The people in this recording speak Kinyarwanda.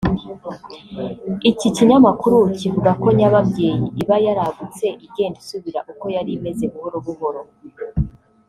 Iki kinyamakuru kivuga ko nyababyeyi iba yaragutse igenda isubira uko yari imeze buhoro buhoro